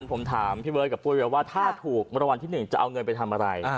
ผมถามพี่เบิ้ลกับปุ๊ยว่าถ้าถูกมรวมวันที่หนึ่งจะเอาเงินไปทำอะไร